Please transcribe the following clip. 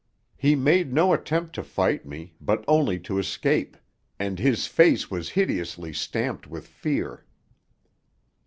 He made no attempt to fight me, but only to escape, and his face was hideously stamped with fear.